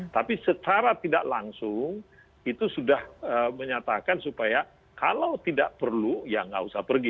tapi secara tidak langsung itu sudah menyatakan supaya kalau tidak perlu ya nggak usah pergi